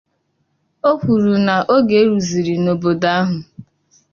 O kwuru na oge e ruzịrị n'obodo ahụ